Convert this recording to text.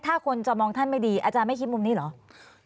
ถ้าคนจะมองท่านไม่ดีอาจารย์ไม่คิดมุมนี้เหรอ